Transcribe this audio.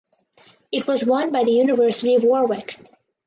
It was won by the University of Warwick.